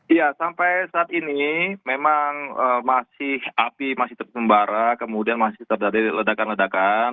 iya sampai saat ini memang masih api masih tersembara kemudian masih terjadi ledakan ledakan